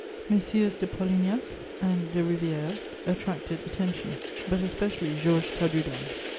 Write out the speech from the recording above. Messieurs de Polignac and de Rivière attracted attention, but especially Georges Cadoudal.